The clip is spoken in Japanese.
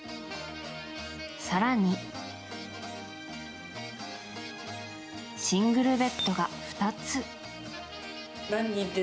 更にシングルベッドが２つ。